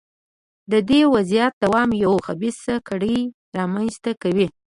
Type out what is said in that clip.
د دې وضعیت دوام یوه خبیثه کړۍ رامنځته کوي.